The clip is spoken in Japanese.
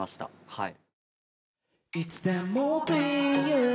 はい。